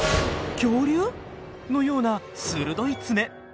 恐竜？のような鋭い爪。